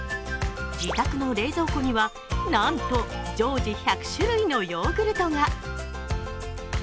自宅の冷蔵庫にはなんと常時１００種類のヨーグルトが。